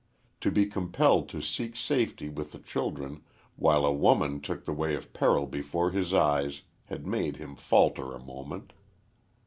To be compelled to seek safety with the children, while a woman took the way of peril before his eyes, had made him falter a moment.